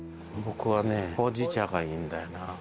僕はねほうじ茶がいいんだよな。